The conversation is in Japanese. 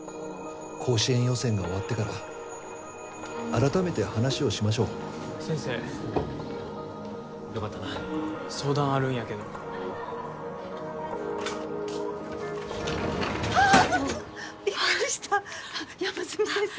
甲子園予選が終わってから改めて話をしましょう先生よかったな相談あるんやけどはーっビックリしたあっ山住先生